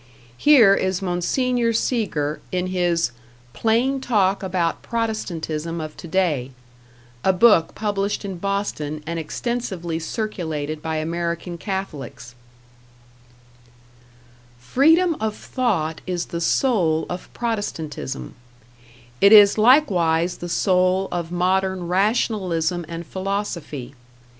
Here is Mgr. Segur, in his "Plain Talk About Protestantism of Today", a book published in Boston and extensively circulated by American Catholics: Freedom of thought is the soul of Protestantism; it is likewise the soul of modern rationalism and philosophy.